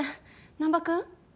難破君？